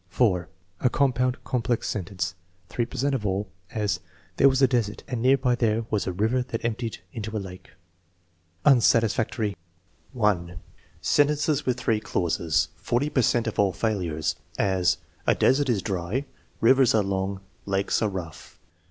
(4) A compound, complex sentence (3 per cent of all); as: "There was a desert, and near by there was a river that emptied into a lake." Unsatisfactory: (1) Sentences with three clauses (40 per cent of all failures); as: "A desert is dry, rivers are long, lakes are rough."